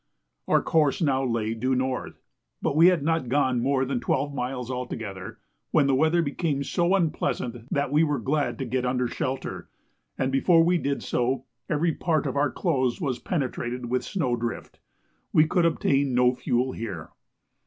Our course now lay due north; but we had not gone more than twelve miles altogether, when the weather became so unpleasant that we were glad to get under shelter, and before we did so, every part of our clothes was penetrated with snow drift. We could obtain no fuel here.